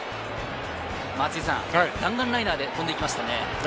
松井さん、弾丸ライナーで飛んで行きましたね。